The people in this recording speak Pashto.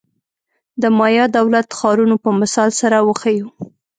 د مایا دولت-ښارونو په مثال سره وښیو.